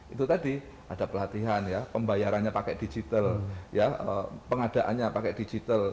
itu tadi ada pelatihan ya pembayarannya pakai digital pengadaannya pakai digital